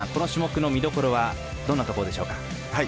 この種目の見どころはどんなところでしょうか。